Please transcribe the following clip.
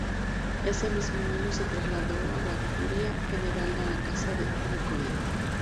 Ese mismo año se trasladó la curia general a la casa de Nicolet.